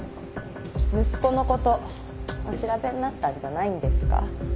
息子のことお調べになったんじゃないんですか？